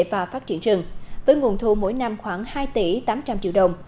và phát triển rừng với nguồn thu mỗi năm khoảng hai tỷ tám trăm linh triệu đồng